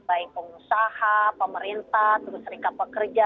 baik pengusaha pemerintah terus serikat pekerja